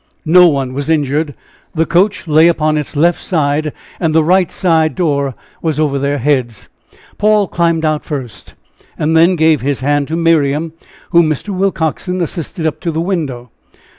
No one was injured; the coach lay upon its left side, and the right side door was over their heads. Paul climbed out first, and then gave his hand to Miriam, whom Mr. Willcoxen assisted up to the window.